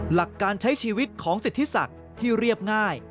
หลักการใช้ชีวิตของสิทธิศักดิ์ที่เรียบง่าย